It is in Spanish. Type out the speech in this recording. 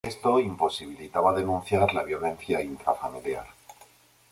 Esto imposibilitaba denunciar la violencia intrafamiliar.